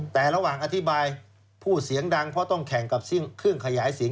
แต่ระหว่างอธิบายพูดเสียงดังเพราะต้องแข่งกับเครื่องขยายเสียง